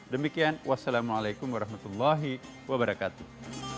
demikian wassalamu'alaikum warahmatullahi wabarakatuh